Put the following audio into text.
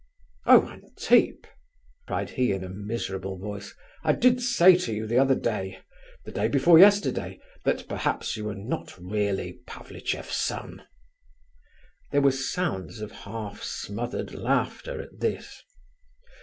"Oh, Antip!" cried he in a miserable voice, "I did say to you the other day—the day before yesterday—that perhaps you were not really Pavlicheff's son!" There were sounds of half smothered laughter at this.